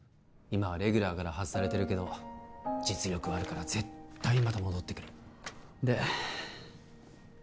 今はレギュラーから外されてるけど実力はあるから絶対また戻ってくるでＣＭは？